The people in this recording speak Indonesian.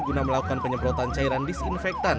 guna melakukan penyemprotan cairan disinfektan